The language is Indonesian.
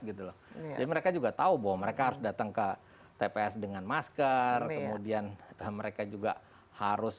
jadi mereka juga tahu bahwa mereka harus datang ke tps dengan masker kemudian mereka juga harus